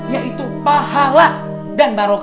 yaitu pahala dan barokah